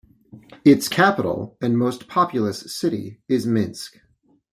Its capital and most populous city is Minsk.